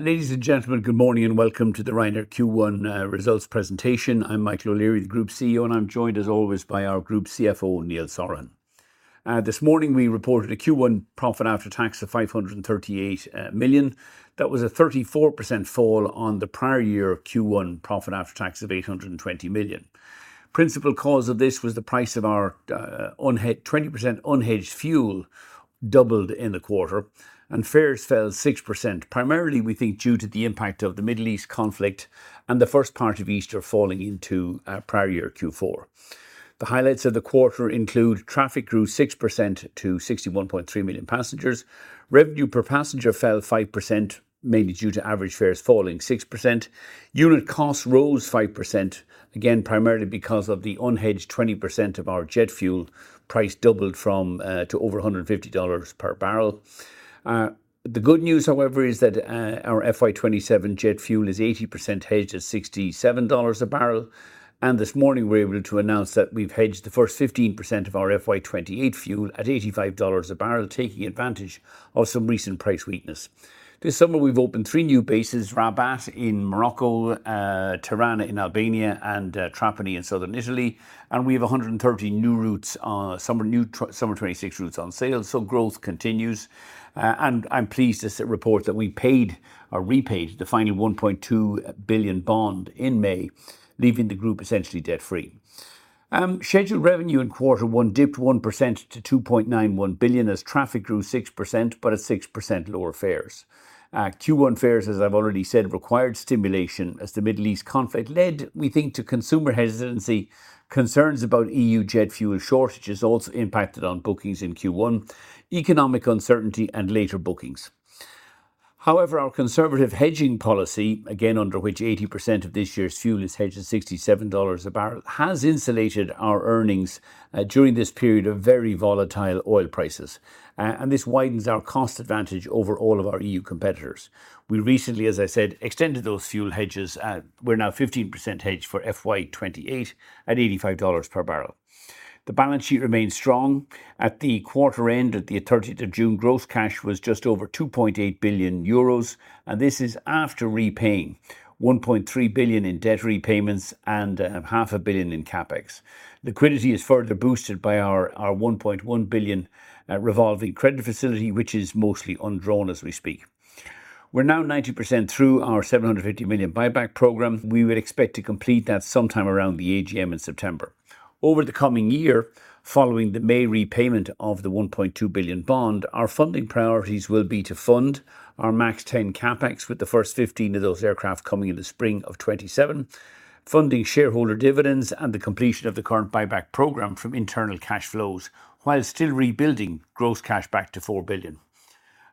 Ladies and gentlemen, good morning and welcome to the Ryanair Q1 results presentation. I'm Michael O'Leary, the Group CEO, and I'm joined as always by our Group CFO, Neil Sorahan. This morning we reported a Q1 profit after tax of 538 million. That was a 34% fall on the prior year Q1 profit after tax of 820 million. Principal cause of this was the price of our 20% unhedged fuel doubled in the quarter and fares fell 6%, primarily, we think, due to the impact of the Middle East conflict and the first part of Easter falling into our prior year Q4. The highlights of the quarter include traffic grew 6% to 61.3 million passengers. Revenue per passenger fell 5%, mainly due to average fares falling 6%. Unit cost rose 5%, again, primarily because of the unhedged 20% of our jet fuel price doubled to over $150/bbl. The good news, however, is that our FY 2027 jet fuel is 80% hedged at $67/bbl, and this morning we're able to announce that we've hedged the first 15% of our FY 2028 fuel at $85/bbl, taking advantage of some recent price weakness. This summer we've opened three new bases, Rabat in Morocco, Tirana in Albania and Trapani in southern Italy, and we have 130 summer 2026 routes on sale, so growth continues. I'm pleased to report that we repaid the final 1.2 billion bond in May, leaving the group essentially debt-free. Scheduled revenue in quarter one dipped 1% to 2.91 billion as traffic grew 6%, but at 6% lower fares. Q1 fares, as I've already said, required stimulation as the Middle East conflict led, we think, to consumer hesitancy, concerns about E.U. jet fuel shortages also impacted on bookings in Q1, economic uncertainty and later bookings. However, our conservative hedging policy, again under which 80% of this year's fuel is hedged at $67/bbl, has insulated our earnings during this period of very volatile oil prices. This widens our cost advantage over all of our E.U. competitors. We recently, as I said, extended those fuel hedges. We're now 15% hedged for FY 2028 at $85/bbl. The balance sheet remains strong. At the quarter end at the 30th of June, gross cash was just over 2.8 billion euros, and this is after repaying 1.3 billion in debt repayments and 500 million in CapEx. Liquidity is further boosted by our 1.1 billion revolving credit facility, which is mostly undrawn as we speak. We're now 90% through our 750 million buyback program. We would expect to complete that sometime around the AGM in September. Over the coming year, following the May repayment of the 1.2 billion bond, our funding priorities will be to fund our MAX-10 CapEx with the first 15 of those aircraft coming in the spring of 2027, funding shareholder dividends and the completion of the current buyback program from internal cash flows while still rebuilding gross cash back to 4 billion.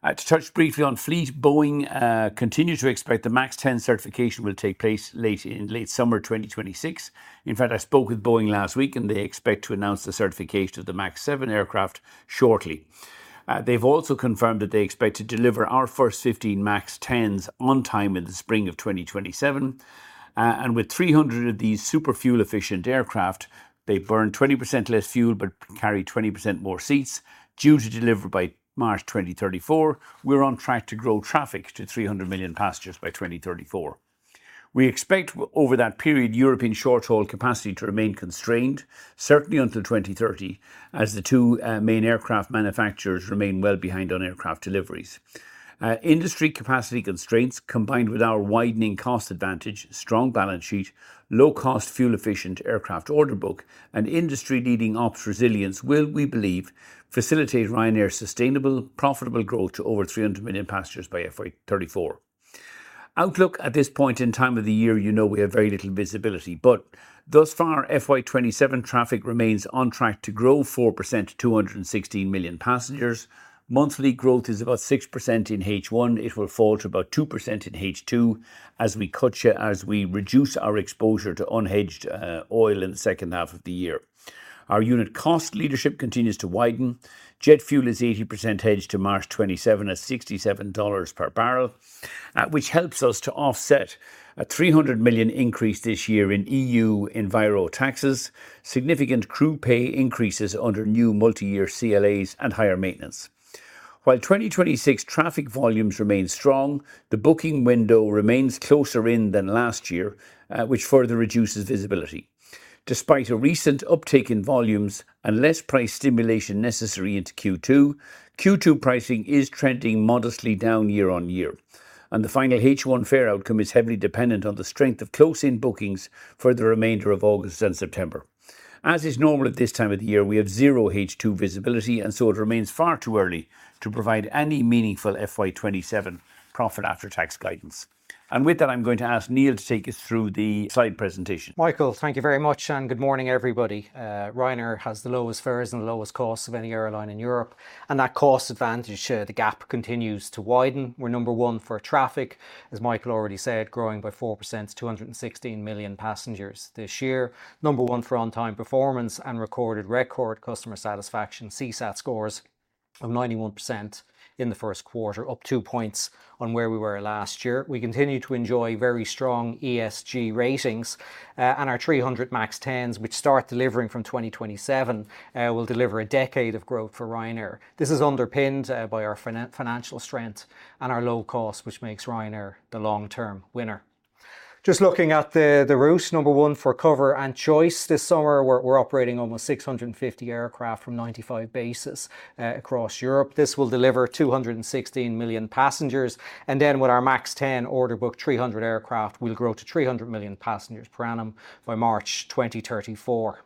To touch briefly on fleet, Boeing continue to expect the MAX-10 certification will take place in late summer 2026. In fact, I spoke with Boeing last week and they expect to announce the certification of the MAX-7 aircraft shortly. They've also confirmed that they expect to deliver our first 15 MAX-10s on time in the spring of 2027. With 300 of these super fuel-efficient aircraft, they burn 20% less fuel but carry 20% more seats due to deliver by March 2034. We're on track to grow traffic to 300 million passengers by 2034. We expect over that period European short-haul capacity to remain constrained certainly until 2030 as the two main aircraft manufacturers remain well behind on aircraft deliveries. Industry capacity constraints combined with our widening cost advantage, strong balance sheet, low-cost fuel-efficient aircraft order book, and industry-leading ops resilience will, we believe, facilitate Ryanair's sustainable profitable growth to over 300 million passengers by FY 2034. Outlook at this point in time of the year, you know we have very little visibility, thus far, FY 2027 traffic remains on track to grow 4% to 216 million passengers. Monthly growth is about 6% in H1. It will fall to about 2% in H2 as we reduce our exposure to unhedged oil in the second half of the year. Our unit cost leadership continues to widen. Jet fuel is 80% hedged to March 2027 at $67/bbl, which helps us to offset a 300 million increase this year in E.U. enviro taxes, significant crew pay increases under new multi-year CLAs and higher maintenance. While 2026 traffic volumes remain strong, the booking window remains closer in than last year, which further reduces visibility. Despite a recent uptick in volumes and less price stimulation necessary into Q2, Q2 pricing is trending modestly down year-on-year. The final H1 fare outcome is heavily dependent on the strength of close-in bookings for the remainder of August and September. As is normal at this time of the year, we have zero H2 visibility, it remains far too early to provide any meaningful FY 2027 profit after tax guidance. With that, I'm going to ask Neil to take us through the slide presentation. Michael, thank you very much and good morning, everybody. Ryanair has the lowest fares and the lowest costs of any airline in Europe. That cost advantage, the gap continues to widen. We're number one for traffic, as Michael already said, growing by 4% to 216 million passengers this year. Number one for on-time performance and recorded record customer satisfaction CSAT scores of 91% in the first quarter, up 2 points on where we were last year. We continue to enjoy very strong ESG ratings, our 300 MAX-10s, which start delivering from 2027, will deliver a decade of growth for Ryanair. This is underpinned by our financial strength and our low cost, which makes Ryanair the long-term winner. Just looking at the route, number one for cover and choice. This summer, we're operating almost 650 aircraft from 95 bases across Europe. This will deliver 216 million passengers. With our MAX-10 order book, 300 aircraft will grow to 300 million passengers per annum by March 2034.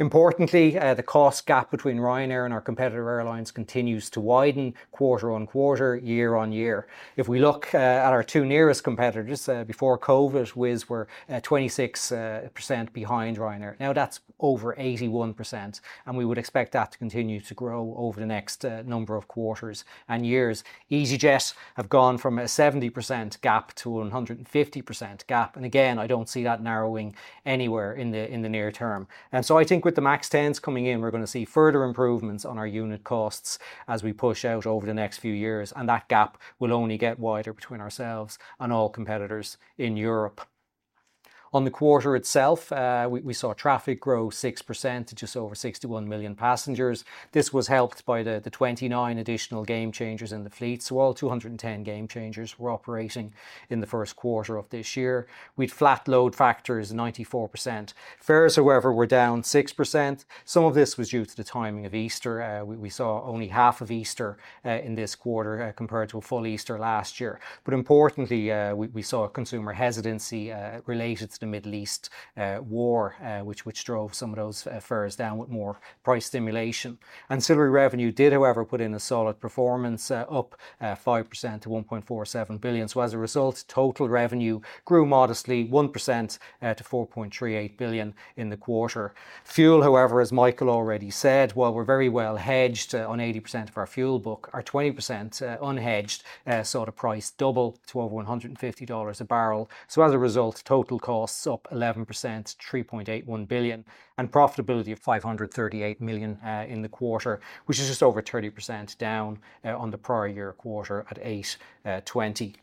Importantly, the cost gap between Ryanair and our competitor airlines continues to widen quarter-on-quarter, year-on-year. If we look at our two nearest competitors, before COVID, Wizz were at 26% behind Ryanair. Now, that's over 81%, and we would expect that to continue to grow over the next number of quarters and years. easyJet have gone from a 70% gap to 150% gap. Again, I don't see that narrowing anywhere in the near term. I think with the MAX-10s coming in, we're going to see further improvements on our unit costs as we push out over the next few years, and that gap will only get wider between ourselves and all competitors in Europe. On the quarter itself, we saw traffic grow 6% to just over 61 million passengers. This was helped by the 29 additional game changers in the fleet. All 210 game changers were operating in the first quarter of this year, with flat load factors 94%. Fares, however, were down 6%. Some of this was due to the timing of Easter. We saw only half of Easter in this quarter compared to a full Easter last year. Importantly, we saw a consumer hesitancy related to the Middle East war, which drove some of those fares down with more price stimulation. Ancillary revenue did, however, put in a solid performance, up 5% to 1.47 billion. As a result, total revenue grew modestly 1% to 4.38 billion in the quarter. Fuel, however, as Michael already said, while we're very well hedged on 80% of our fuel book, our 20% unhedged saw the price double to over $150/bbl. As a result, total costs up 11% to 3.81 billion, and profitability of 538 million in the quarter, which is just over 30% down on the prior year quarter at 820 million.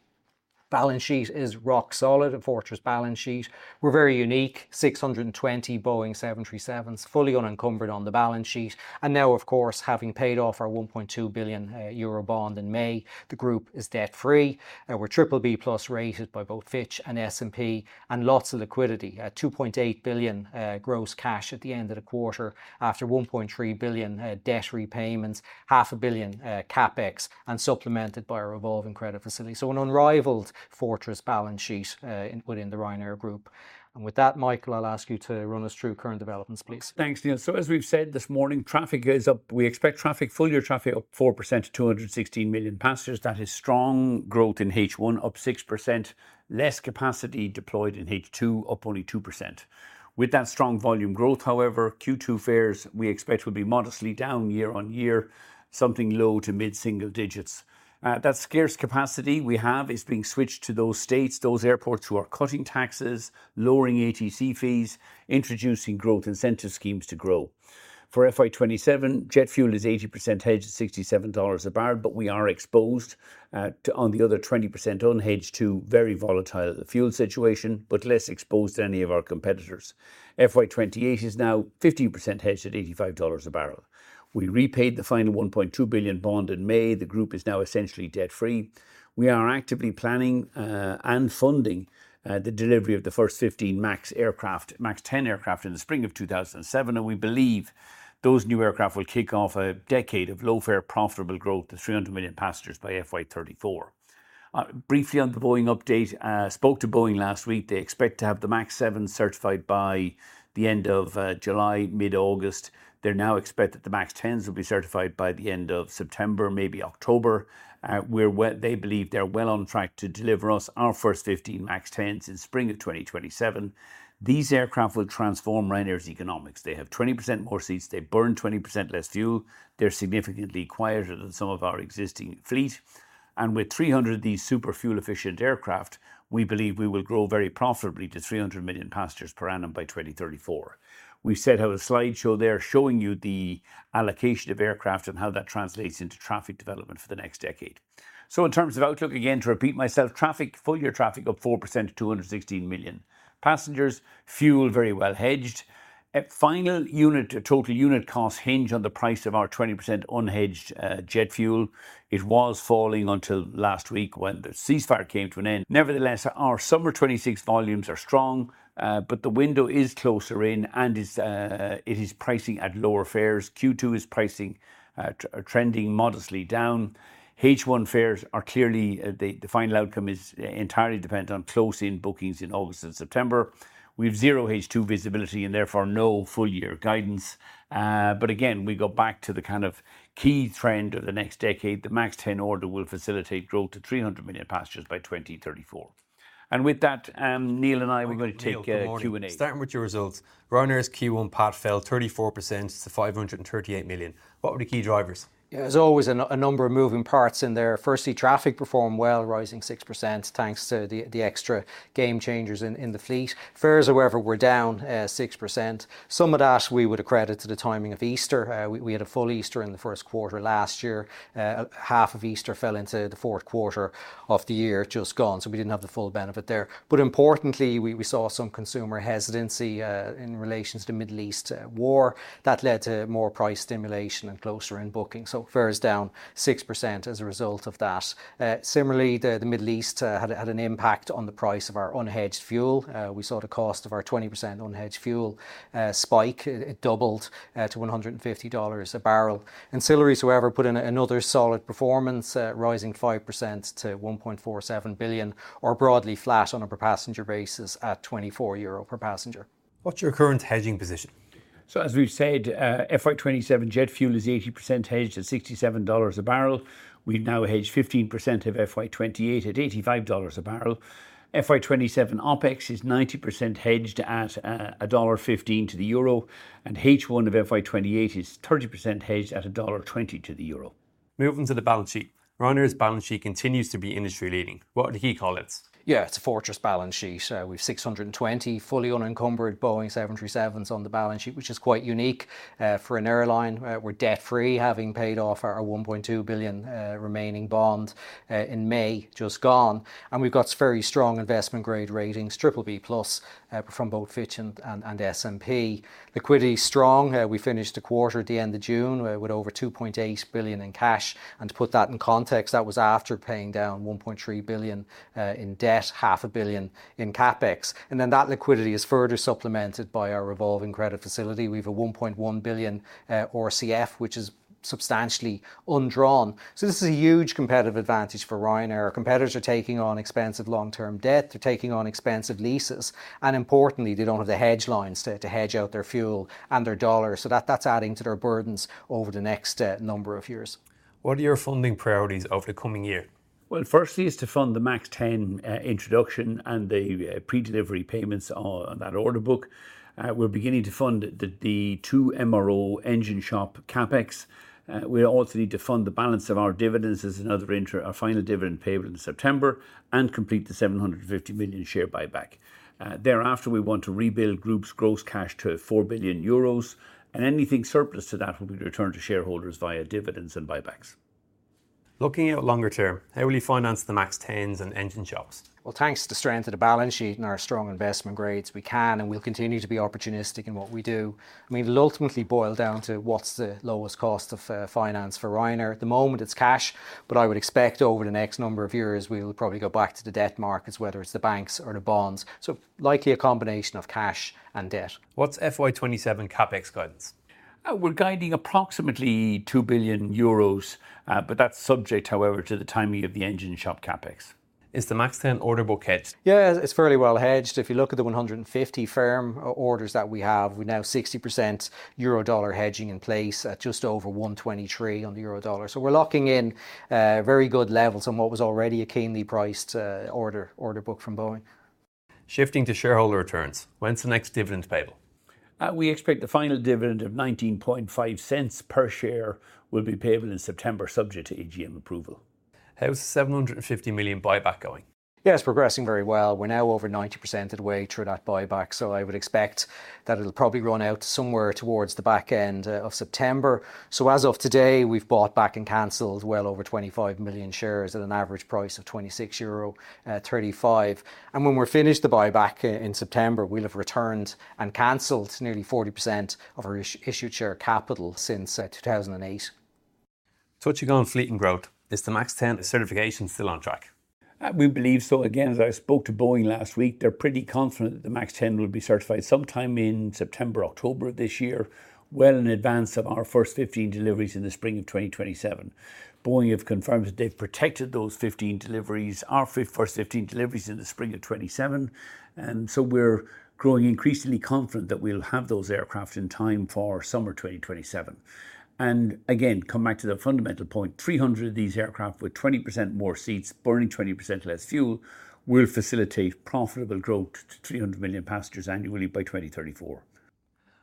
Balance sheet is rock solid, a fortress balance sheet. We're very unique, 620 Boeing 737s fully unencumbered on the balance sheet. Now, of course, having paid off our 1.2 billion euro bond in May, the group is debt-free. We're BBB+ rated by both Fitch and S&P. Lots of liquidity at 2.8 billion gross cash at the end of the quarter after 1.3 billion debt repayments, 500 million CapEx, supplemented by a revolving credit facility. An unrivaled fortress balance sheet within the Ryanair Group. With that, Michael, I'll ask you to run us through current developments, please. Thanks, Neil. As we've said this morning, traffic is up. We expect full-year traffic up 4% to 216 million passengers. That is strong growth in H1, up 6%, less capacity deployed in H2, up only 2%. With that strong volume growth, however, Q2 fares we expect will be modestly down year-on-year, something low to mid-single-digits. That scarce capacity we have is being switched to those states, those airports who are cutting taxes, lowering ATC fees, introducing growth incentive schemes to grow. For FY 2027, jet fuel is 80% hedged at $67/bbl, but we are exposed on the other 20% unhedged to very volatile fuel situation, but less exposed to any of our competitors. FY 2028 is now 15% hedged at $85/bbl. We repaid the final 1.2 billion bond in May. The group is now essentially debt-free. We are actively planning and funding the delivery of the first 15 MAX aircraft, MAX-10 aircraft, in the spring of 2027. We believe those new aircraft will kick off a decade of low-fare profitable growth to 300 million passengers by FY 2034. Briefly on the Boeing update, spoke to Boeing last week. They expect to have the MAX-7 certified by the end of July, mid-August. They now expect that the MAX-10s will be certified by the end of September, maybe October. They believe they're well on track to deliver us our first 15 MAX-10s in spring of 2027. These aircraft will transform Ryanair's economics. They have 20% more seats. They burn 20% less fuel. They're significantly quieter than some of our existing fleet. With 300 of these super fuel-efficient aircraft, we believe we will grow very profitably to 300 million passengers per annum by 2034. We set out a slideshow there showing you the allocation of aircraft and how that translates into traffic development for the next decade. In terms of outlook, again, to repeat myself, full-year traffic up 4% to 216 million passengers. Fuel, very well hedged. Final unit to total unit cost hinge on the price of our 20% unhedged jet fuel. It was falling until last week when the ceasefire came to an end. Nevertheless, our summer 2026 volumes are strong. The window is closer in, and it is pricing at lower fares. Q2 is pricing trending modestly down. H1 fares clearly the final outcome is entirely dependent on close-in bookings in August and September. We have zero H2 visibility and therefore no full-year guidance. Again, we go back to the kind of key trend of the next decade. The MAX-10 order will facilitate growth to 300 million passengers by 2034. With that, Neil and I are going to take a Q&A. Michael, Neil, good morning. Starting with your results, Ryanair's Q1 PAT fell 34% to 538 million. What were the key drivers? As always, a number of moving parts in there. Firstly, traffic performed well, rising 6% thanks to the extra game changers in the fleet. Fares, however, were down 6%. Some of that we would accredit to the timing of Easter. We had a full Easter in the first quarter last year. Half of Easter fell into the fourth quarter of the year just gone, so we didn't have the full benefit there. Importantly, we saw some consumer hesitancy in relations to Middle East war. That led to more price stimulation and closer in booking. Fares down 6% as a result of that. Similarly, the Middle East had an impact on the price of our unhedged fuel. We saw the cost of our 20% unhedged fuel spike. It doubled to $150/bbl. Ancillaries, however, put in another solid performance, rising 5% to 1.47 billion, or broadly flat on a per passenger basis at 24 euro per passenger. What's your current hedging position? As we've said, FY 2027 jet fuel is 80% hedged at $67/bbl. We've now hedged 15% of FY 2028 at $85/bbl. FY 2027 OpEx is 90% hedged at $1.15 to 1, and H1 of FY 2028 is 30% hedged at $1.20 to EUR 1. Moving to the balance sheet. Ryanair's balance sheet continues to be industry leading. What would he call it? It's a fortress balance sheet. We've 620 fully-unencumbered Boeing 737s on the balance sheet, which is quite unique for an airline. We're debt-free, having paid off our 1.2 billion remaining bond in May just gone, and we've got very strong investment-grade ratings, BBB+ from both Fitch and S&P. Liquidity is strong. We finished the quarter at the end of June with over 2.8 billion in cash, and to put that in context, that was after paying down 1.3 billion in debt, 500 million in CapEx. That liquidity is further supplemented by our revolving credit facility. We've a 1.1 billion RCF, which is substantially undrawn. This is a huge competitive advantage for Ryanair. Our competitors are taking on expensive long-term debt. They're taking on expensive leases, and importantly, they don't have the hedge lines to hedge out their fuel and their dollars. That's adding to their burdens over the next number of years. What are your funding priorities over the coming year? Firstly is to fund the MAX-10 introduction and the pre-delivery payments on that order book. We're beginning to fund the two MRO engine shop CapEx. We also need to fund the balance of our dividends as another final dividend payable in September and complete the 750 million share buyback. Thereafter, we want to rebuild group's gross cash to 4 billion euros, and anything surplus to that will be returned to shareholders via dividends and buybacks. Looking out longer term, how will you finance the MAX-10s and engine shops? Thanks to the strength of the balance sheet and our strong investment grades, we can and will continue to be opportunistic in what we do. It'll ultimately boil down to what's the lowest cost of finance for Ryanair. At the moment it's cash, but I would expect over the next number of years, we'll probably go back to the debt markets, whether it's the banks or the bonds. Likely a combination of cash and debt. What's FY 2027 CapEx guidance? We're guiding approximately 2 billion euros, that's subject, however, to the timing of the engine shop CapEx. Is the MAX-10 order book hedged? Yeah, it's fairly well hedged. If you look at the 150 firm orders that we have, we now have 60% euro-dollar hedging in place at just over 123 on the euro-dollar. We're locking in very good levels on what was already a keenly priced order book from Boeing. Shifting to shareholder returns, when's the next dividend payable? We expect the final dividend of 0.195 per share will be payable in September, subject to AGM approval. How's the 750 million buyback going? It's progressing very well. We're now over 90% of the way through that buyback, I would expect that it'll probably run out somewhere towards the back end of September. As of today, we've bought back and canceled well over 25 million shares at an average price of 26.35 euro. When we're finished the buyback in September, we'll have returned and canceled nearly 40% of our issued share capital since 2008. Switching on fleet and growth, is the MAX-10 certification still on track? We believe so. As I spoke to Boeing last week, they're pretty confident that the MAX-10 will be certified sometime in September or October of this year, well in advance of our first 15 deliveries in the spring of 2027. Boeing have confirmed that they've protected those 15 deliveries, our first 15 deliveries in the spring of 2027. We're growing increasingly confident that we'll have those aircraft in time for summer 2027. Come back to the fundamental point, 300 of these aircraft with 20% more seats burning 20% less fuel will facilitate profitable growth to 300 million passengers annually by 2034.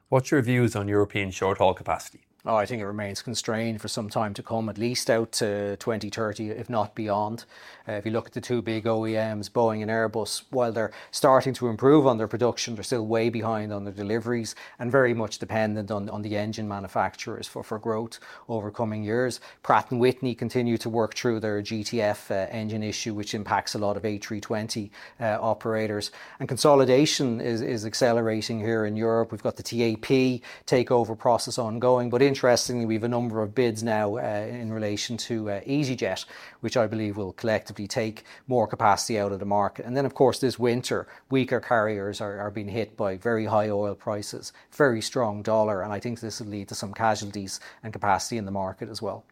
What's your views on European short-haul capacity? I think it remains constrained for some time to come, at least out to 2030, if not beyond. If you look at the two big OEMs, Boeing and Airbus, while they're starting to improve on their production, they're still way behind on their deliveries and very much dependent on the engine manufacturers for growth over coming years. Pratt & Whitney continue to work through their GTF engine issue, which impacts a lot of A320 operators. Consolidation is accelerating here in Europe. We've got the TAP takeover process ongoing, but interestingly, we've a number of bids now in relation to easyJet, which I believe will collectively take more capacity out of the market. Then, of course, this winter, weaker carriers are being hit by very high oil prices, very strong U.S. dollar, and I think this will lead to some casualties and capacity in the market as well.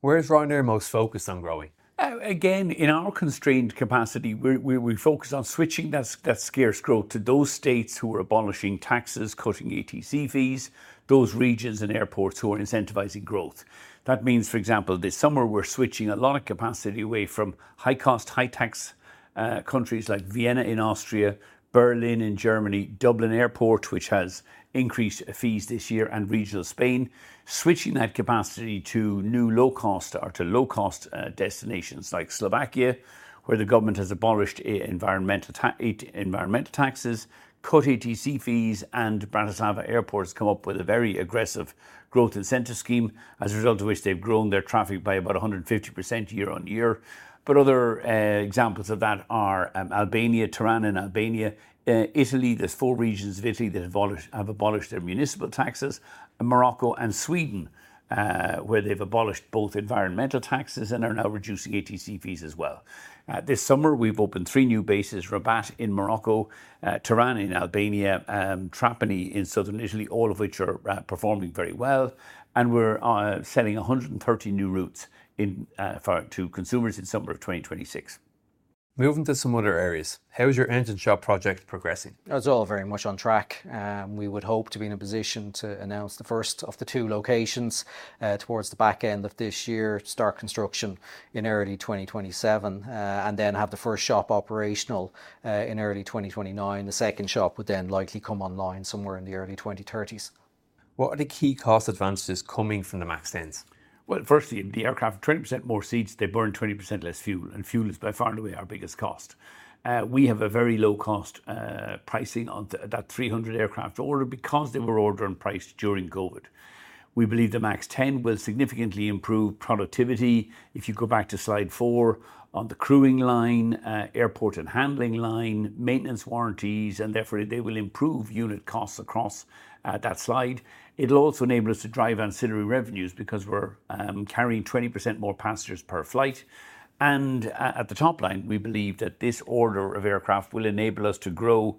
Where is Ryanair most focused on growing? In our constrained capacity, we focus on switching that scarce growth to those states who are abolishing taxes, cutting ATC fees, those regions and airports who are incentivizing growth. That means, for example, this summer, we're switching a lot of capacity away from high-cost, high-tax countries like Vienna in Austria, Berlin in Germany, Dublin Airport, which has increased fees this year, and regional Spain, switching that capacity to new low-cost or to low-cost destinations like Slovakia, where the government has abolished environmental taxes, cut ATC fees. Bratislava Airport has come up with a very aggressive growth incentive scheme, as a result of which they've grown their traffic by about 150% year-on-year. Other examples of that are Albania, Tirana in Albania, Italy. There's four regions of Italy that have abolished their municipal taxes. Morocco and Sweden, where they've abolished both environmental taxes and are now reducing ATC fees as well. This summer, we've opened three new bases, Rabat in Morocco, Tirana in Albania, and Trapani in southern Italy, all of which are performing very well. We're selling 130 new routes to consumers in summer of 2026. Moving to some other areas, how is your engine shop project progressing? It's all very much on track. We would hope to be in a position to announce the first of the two locations towards the back end of this year, start construction in early 2027, have the first shop operational in early 2029. The second shop would likely come online somewhere in the early 2030s. What are the key cost advantages coming from the MAX-10s? Well, firstly, the aircraft have 20% more seats, they burn 20% less fuel, and fuel is by far and away our biggest cost. We have a very low-cost pricing on that 300 aircraft order because they were ordered and priced during COVID. We believe the MAX-10 will significantly improve productivity. If you go back to slide four on the crewing line, airport and handling line, maintenance warranties, therefore they will improve unit costs across that slide. It'll also enable us to drive ancillary revenues because we're carrying 20% more passengers per flight. At the top line, we believe that this order of aircraft will enable us to grow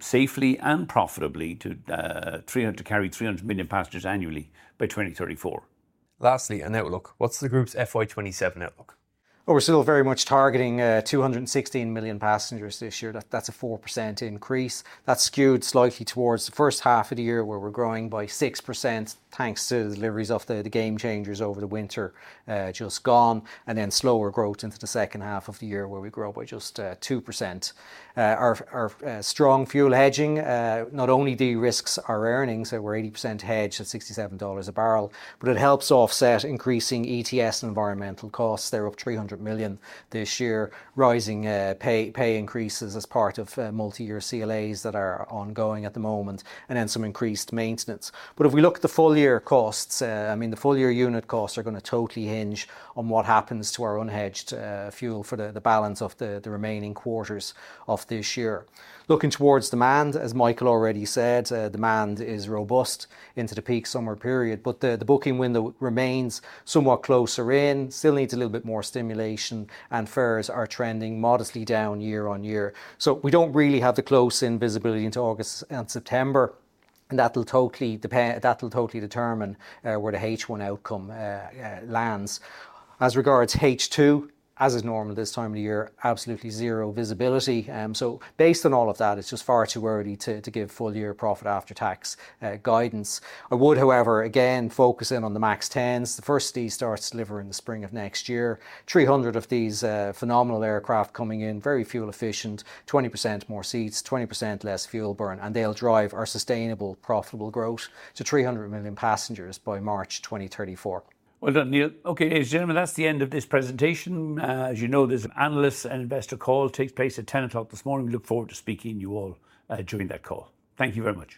safely and profitably to carry 300 million passengers annually by 2034. Lastly, a network look. What's the group's FY 2027 outlook? Well, we're still very much targeting 216 million passengers this year. That's a 4% increase. That's skewed slightly towards the first half of the year, where we're growing by 6%, thanks to the deliveries of the Gamechangers over the winter just gone, then slower growth into the second half of the year, where we grow by just 2%. Our strong fuel hedging not only de-risks our earnings at we're 80% hedged at $67/bbl, but it helps offset increasing ETS and environmental costs. They're up 300 million this year. Rising pay increases as part of multi-year CLAs that are ongoing at the moment, then some increased maintenance. If we look at the full-year costs, the full-year unit costs are going to totally hinge on what happens to our unhedged fuel for the balance of the remaining quarters of this year. Looking towards demand, as Michael already said, demand is robust into the peak summer period. The booking window remains somewhat closer in, still needs a little bit more stimulation, and fares are trending modestly down year-on-year. We don't really have the close-in visibility into August and September, and that'll totally determine where the H1 outcome lands. As regards H2, as is normal this time of year, absolutely zero visibility. Based on all of that, it's just far too early to give full-year profit after tax guidance. I would, however, again, focus in on the MAX-10s. The first of these starts delivery in the spring of next year. 300 of these phenomenal aircraft coming in, very fuel efficient, 20% more seats, 20% less fuel burn, and they'll drive our sustainable profitable growth to 300 million passengers by March 2034. Well done, Neil. Ladies and gentlemen, that's the end of this presentation. As you know, there's an analyst and investor call takes place at 10:00 A.M. this morning. We look forward to speaking to you all during that call. Thank you very much.